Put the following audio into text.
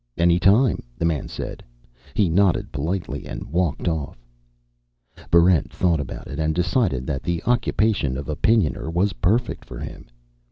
"Any time," the man said. He nodded politely and walked off. Barrent thought about it, and decided that the occupation of Opinioner was perfect for him.